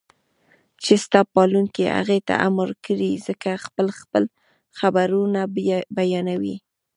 چې ستا پالونکي هغې ته امر کړی زکه خپل خپل خبرونه بيانوي